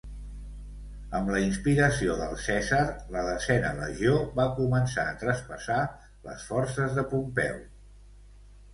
Amb la inspiració del Cèsar, la desena legió va començar a traspassar les forces de Pompeu.